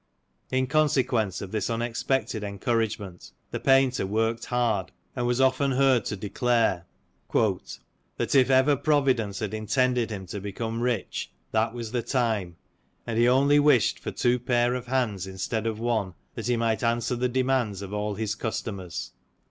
In con sequence of this unexpected encouragement the painter worked hard, and was often heard to declare, " that if ever providence had intended him to become rich, that was the time : and he only wished for two pair of hands instead of one, that he might answer the demands of all his customers.''